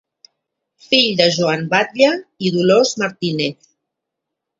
Fill de Joan Batlle i Dolors Martínez.